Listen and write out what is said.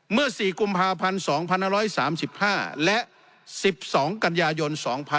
เมื่อสี่กุมภาพันธ์๒๖๓๕และ๑๒กันยายน๒๕๓๕